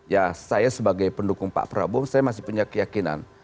ya saya sebagai pendukung pak prabowo saya masih punya keyakinan